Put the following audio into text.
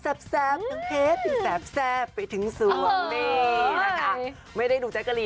แซบมาไปถึงสวับสองดี